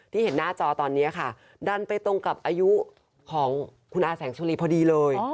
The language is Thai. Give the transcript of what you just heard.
เห็นหน้าจอตอนนี้ค่ะดันไปตรงกับอายุของคุณอาแสงสุรีพอดีเลย